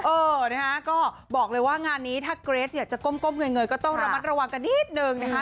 เออนะคะก็บอกเลยว่างานนี้ถ้าเกรสเนี่ยจะก้มเงยก็ต้องระมัดระวังกันนิดนึงนะคะ